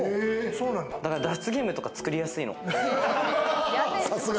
だから脱出ゲームとか作りやすいの。